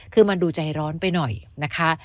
คือมันดูใจร้อนไปหน่อยนะคะ